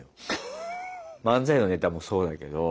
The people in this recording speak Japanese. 漫才のネタもそうだけど。